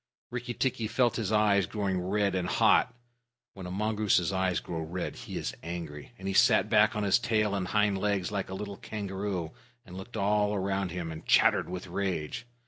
Rikki tikki felt his eyes growing red and hot (when a mongoose's eyes grow red, he is angry), and he sat back on his tail and hind legs like a little kangaroo, and looked all round him, and chattered with rage.